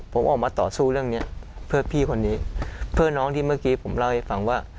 ผมออกมาต่อสู้เรื่องเนี้ยเพื่อพี่คนนี้เพื่อน้องที่เมื่อกี้ผมเล่าให้ฟังว่า